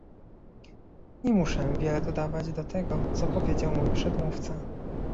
Nie muszę wiele dodawać do tego, co powiedział mój przedmówca